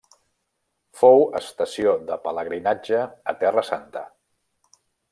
Fou estació de pelegrinatge a Terra Santa.